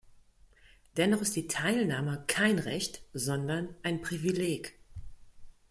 Dennoch ist die Teilnahme kein Recht, sondern ein Privileg.